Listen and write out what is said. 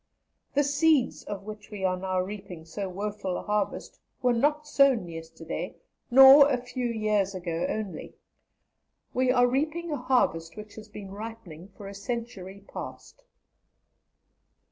The seeds of which we are reaping so woeful a harvest were not sown yesterday, nor a few years ago only. We are reaping a harvest which has been ripening for a century past.